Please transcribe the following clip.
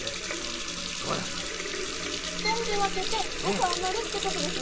２人で分けて５こあまるってことですね！